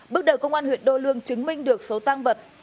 bước đầu công an huyện đô lương chứng minh được số tăng vật